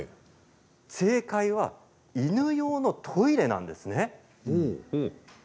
正解は犬用のトイレなんです。